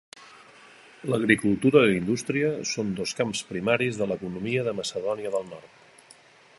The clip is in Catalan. L'agricultura i la indústria són els dos camps primaris de l'economia de Macedònia del Nord.